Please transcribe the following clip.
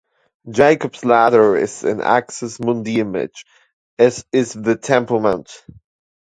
Jacob's Ladder is an axis mundi image, as is the Temple Mount.